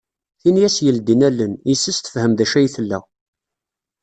Tin i as-yeldin allen, yis-s tefhem d acu ay tella.